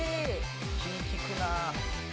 「気ぃ利くなあ」